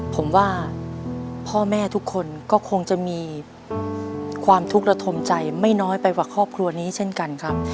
ผมว่าพ่อแม่ทุกคนก็คงจะมีความทุกข์ระทมใจไม่น้อยไปกว่าครอบครัวนี้เช่นกันครับ